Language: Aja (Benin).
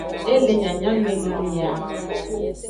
E le nyanyameno mia.